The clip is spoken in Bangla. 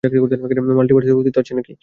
মাল্টিভার্সের অস্তিত্ব আছে নাকি?